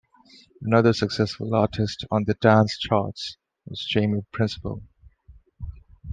Another successful artist on the dance charts was Jamie Principle.